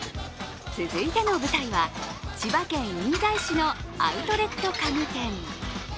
続いての舞台は千葉県印西市のアウトレット家具店。